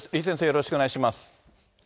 よろしくお願いします。